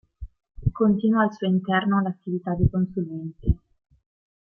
Continua al suo interno l'attività di consulente.